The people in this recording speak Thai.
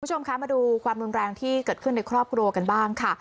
คุณผู้ชมคะมาดูความรุนแรงที่เกิดขึ้นในครอบครัวกันบ้างค่ะ